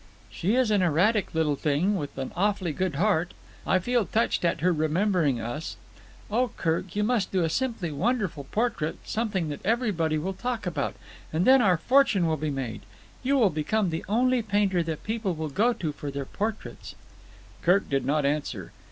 "She is an erratic little thing with an awfully good heart. I feel touched at her remembering us. Oh, Kirk, you must do a simply wonderful portrait, something that everybody will talk about, and then our fortune will be made! You will become the only painter that people will go to for their portraits." Kirk did not answer.